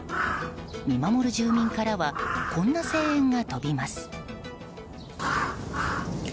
見守る住民からはこんな声援が飛びます。